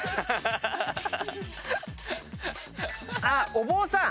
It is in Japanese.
お坊さん。